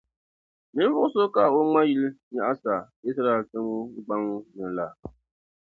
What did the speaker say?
ninvuɣ’ so ka o ŋma yil’ nyaɣisa Izraɛl tiŋgbɔŋ ni la.